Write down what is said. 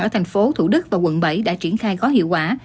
ở thành phố thủ đức và quận bảy đã triển khai có hiệu quả